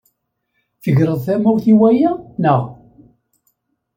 Tegreḍ tamawt i waya, naɣ?